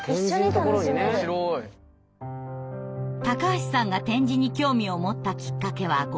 橋さんが点字に興味を持ったきっかけは５年前。